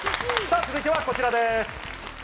続いてはこちらです。